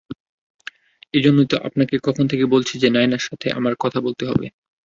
এইজন্যই তো আপনাকে কখন থেকে বলছি যে নায়নার সাথে আমার কথা বলতে হবে।